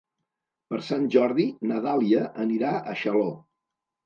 Per Sant Jordi na Dàlia anirà a Xaló.